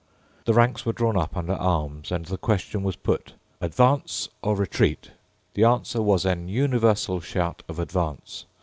The ranks were drawn up under arms; and the question was put, "Advance or Retreat?" The answer was an universal shout of "Advance."